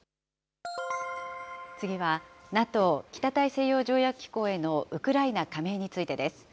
次は、ＮＡＴＯ・北大西洋条約機構へのウクライナ加盟についてです。